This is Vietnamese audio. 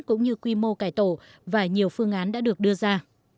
cũng như quy mô cải tổ và nhiều phương án đã được đưa ra